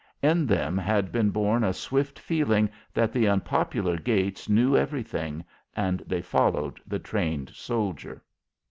In them had been born a swift feeling that the unpopular Gates knew everything, and they followed the trained soldier.